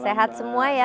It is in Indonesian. sehat semua ya